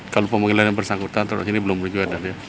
kalau pemanggilan yang bersangkutan terlalu ini belum berjualan ya